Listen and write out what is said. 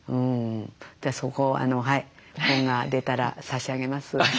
そこをはい本が出たら差し上げます。